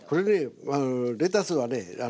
レタスはね